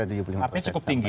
artinya cukup tinggi